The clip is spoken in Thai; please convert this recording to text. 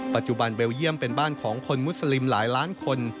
ปัจจุบันเบลเยี่ยมเป็นบ้านของคนมุสลิมหลายล้านคน